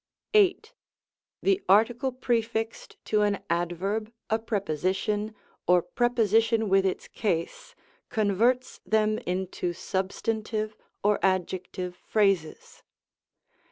8. The article prefixed to an adverb, a preposition, or preposition with its case, converts them into sub stantive or adjective phrases.